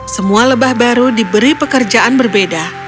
semua lebah baru diberi pekerjaan berbeda